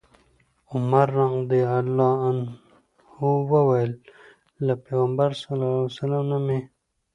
عمر رضي الله عنه وويل: له پيغمبر عليه السلام نه مي